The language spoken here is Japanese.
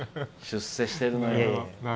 出世してるのよ。